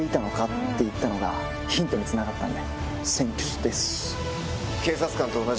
って言ったのがヒントにつながったので。